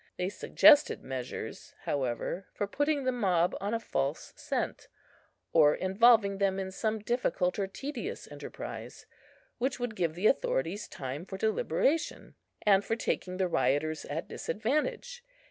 They suggested measures, however, for putting the mob on a false scent, or involving them in some difficult or tedious enterprise, which would give the authorities time for deliberation, and for taking the rioters at disadvantage.